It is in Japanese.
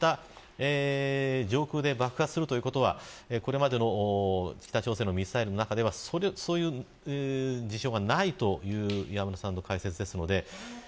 上空で爆発するということはこれまでの北朝鮮のミサイルの中ではそういった事象はあまりないという磐村さんの解説です。